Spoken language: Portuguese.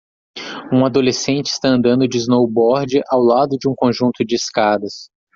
Um adolescente está andando de snowboard ao lado de um conjunto de escadas.